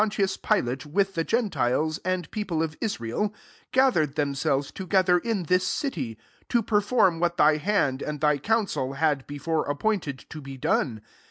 •18 £06 ACTS V Herod and Pontius Pilate, with the gentiles, and people of Is rael, gathered themselves to gether, in this city ; 28 to per K>rm what thy hand and thy counsel had before appointed to be done.